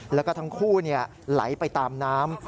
แล้วก็ทั้งคู่ไหลไปตามน้ำ